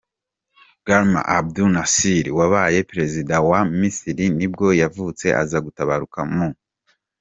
Gamal Abdel Nasser, wabaye perezida wa wa Misiri nibwo yavutse, aza gutabaruka mu .